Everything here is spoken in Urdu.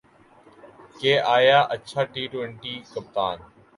کہ آیا اچھا ٹی ٹؤنٹی کپتان